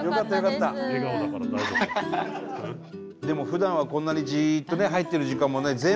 でも普段はこんなにじっとね入ってる時間もない。